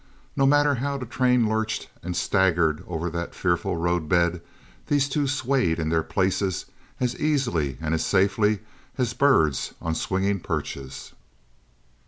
No matter how the train lurched and staggered over that fearful road bed, these two swayed in their places as easily and as safely as birds on swinging perches.